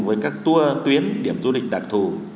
với các tour tuyến điểm du lịch đặc thù